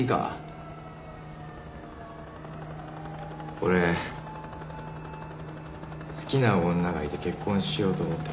俺好きな女がいて結婚しようと思ってる。